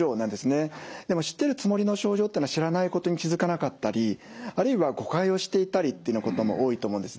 でも知ってるつもりの症状というのは知らないことに気付かなかったりあるいは誤解をしていたりというようなことも多いと思うんですね。